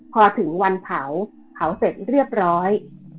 พอถึงวันเผาเผาเสร็จเรียบร้อย